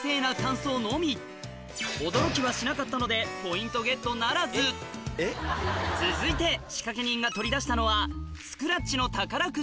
驚きはしなかったので続いて仕掛け人が取り出したのはスクラッチの宝くじ